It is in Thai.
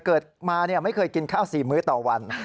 เกิดมาไม่เคยกินข้าว๔มื้อต่อวัน